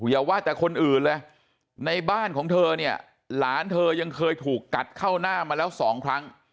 อย่าว่าแต่คนอื่นเลยในบ้านของเธอเนี่ยหลานเธอยังเคยถูกกัดเข้าหน้ามาแล้วสองครั้ง